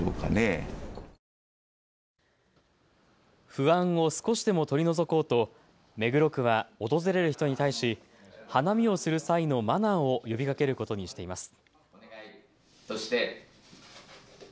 不安を少しでも取り除こうと目黒区は訪れる人に対し花見をする際のマナーを呼びかけることにしています。